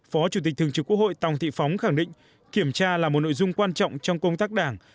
phó chủ tịch thường trực quốc hội tòng thị phóng khẳng định kiểm tra là một nội dung quan trọng trong công tác đảng